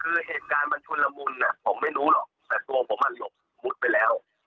คือเหตุการณ์มันชุนละมุนผมไม่รู้หรอกแต่ตัวผมอ่ะหลบมุดไปแล้ว